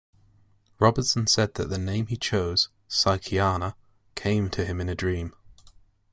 Robinson said that the name he chose, "Psychiana," came to him in a dream.